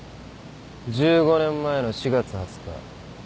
１５年前の４月２０日。